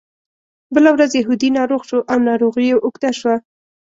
بله ورځ یهودي ناروغ شو او ناروغي یې اوږده شوه.